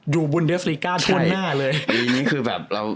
ดูบุลเดสรีก้าท่วนหน้าเลย